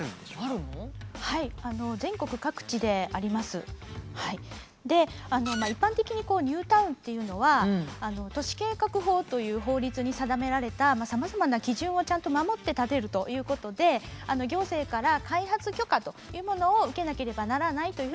茨木台ニュータウンのように一般的にニュータウンっていうのは都市計画法という法律に定められたさまざまな基準をちゃんと守って建てるということで行政から開発許可というものを受けなければならないというふうになってるんですね。